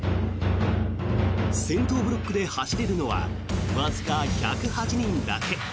先頭ブロックで走れるのはわずか１０８人だけ。